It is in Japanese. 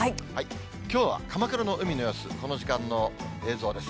きょうは鎌倉の海の様子、この時間の映像です。